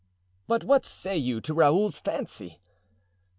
"But what say you to Raoul's fancy?"